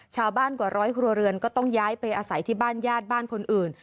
กว่าร้อยครัวเรือนก็ต้องย้ายไปอาศัยที่บ้านญาติบ้านคนอื่น